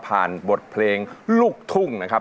บทเพลงลูกทุ่งนะครับ